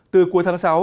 từ cuối tháng sáu